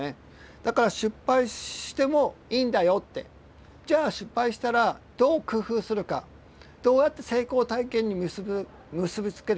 だから「失敗してもいいんだよ」って。じゃあ失敗したらどう工夫するかどうやって成功体験に結び付けるか。